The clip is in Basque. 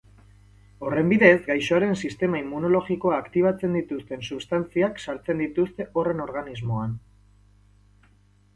Horren bidez, gaixoaren sistema immunologikoa aktibatzen dituzten substantziak sartzen dituzte horren organismoan.